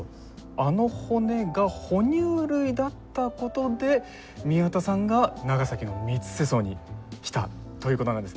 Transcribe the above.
あの骨が哺乳類だったことで宮田さんが長崎の三ツ瀬層に来たということなんです。